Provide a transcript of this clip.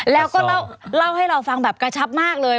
แล้วก็เล่าให้เราฟังแบบกระชับมากเลย